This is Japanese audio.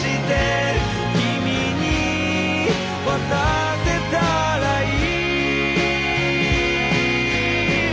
「君に渡せたらいい」